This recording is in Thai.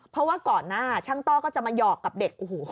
เพราะว่าก่อนหน้าช่างต้อก็จะมาหยอกกับเด็กโอ้โห